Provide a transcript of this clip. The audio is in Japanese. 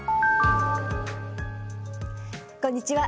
こんにちは。